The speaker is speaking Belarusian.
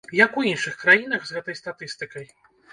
Як у іншых краінах з гэтай статыстыкай?